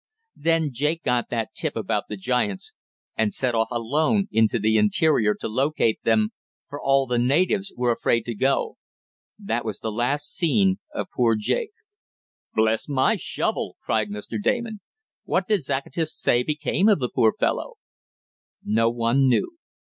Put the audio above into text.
Then Jake got that tip about the giants, and set off alone into the interior to locate them, for all the natives were afraid to go. That was the last seen of poor Jake." "Bless my fire shovel!" cried Mr. Damon. "What did Zacatas say became of the poor fellow?" "No one knew.